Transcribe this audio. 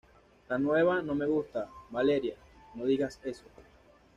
la nueva no me gusta. Valeria, no digas eso